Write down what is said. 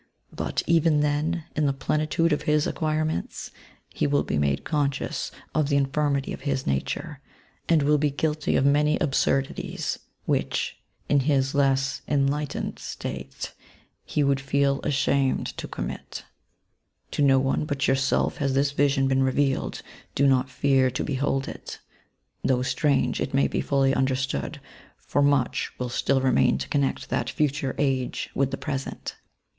But even then, in the plenitude of his acquire ments, he will be made conscious of the infirmity of his nature, and will be guilty of many absur dities which, in his less enlightened state, he would feel ashamed to commit. via TNTEODUCTION. '^ To no one but yourself has this vision been revealed: do not fear to behold it. Though strange, it may be fully understood, for much will still remain to connect that future age with the present.